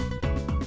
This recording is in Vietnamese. hẹn gặp lại